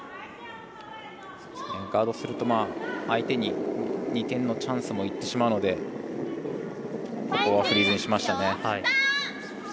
ガードすると相手に２点のチャンスもいってしまうのでここはフリーズにしましたね。